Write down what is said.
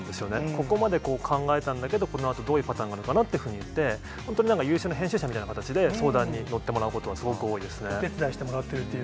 ここまで考えたんだけど、このあとどういうパターンがあるかなっていうふうに聞いて、本当に優秀な編集者みたいな形で相談に乗っお手伝いしてもらっているという。